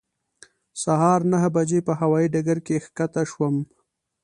سهار نهه بجې په هوایې ډګر کې ښکته شوم.